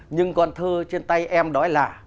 nhưng con thơ trên tay em đói lạ